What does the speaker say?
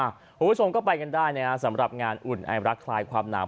คุณผู้ชมก็ไปกันได้นะครับสำหรับงานอุ่นไอรักคลายความหนาว